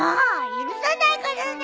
許さないからね！